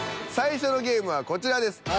最初のゲームはこちらです。